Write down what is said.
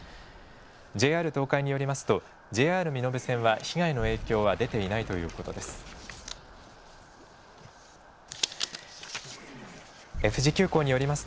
ＪＲ東海によりますと、ＪＲ身延線は被害の影響は出ていないということです。